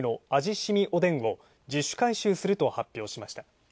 しみおでんを自主回収すると発表しました。